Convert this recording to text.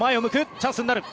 チャンスになる。